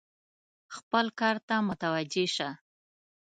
خپل کار ته متوجه شه !